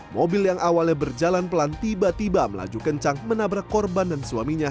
mobil yang awalnya berjalan pelan tiba tiba melaju kencang menabrak korban dan suaminya